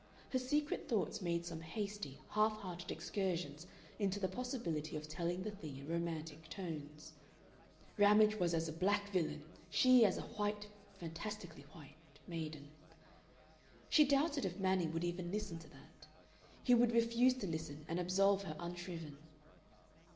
Her secret thoughts made some hasty, half hearted excursions into the possibility of telling the thing in romantic tones Ramage was as a black villain, she as a white, fantastically white, maiden.... She doubted if Manning would even listen to that. He would refuse to listen and absolve her unshriven.